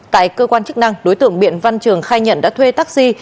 tại cơ quan chức năng đối tượng biện văn trường khai nhận đã thuê taxi